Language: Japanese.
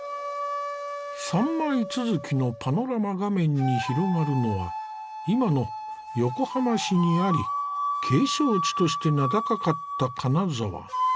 ３枚続きのパノラマ画面に広がるのは今の横浜市にあり景勝地として名高かった金沢。